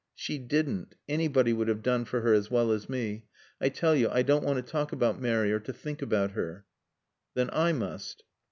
"She didn't. Anybody would have done for her as well as me. I tell you I don't want to talk about Mary or to think about her." "Then I must."